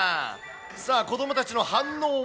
さあ、子どもたちの反応は。